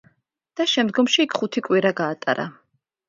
და შემდგომში იქ ხუთი კვირა გაატარა.